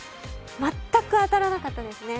全く当たらなかったですね。